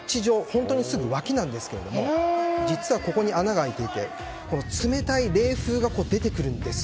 本当にすぐ脇なんですが実はここに穴が開いていて冷たい冷風が出てくるんです。